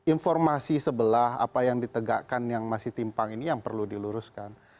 informasi sebelah apa yang ditegakkan yang masih timpang ini yang perlu diluruskan